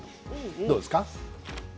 どうですか？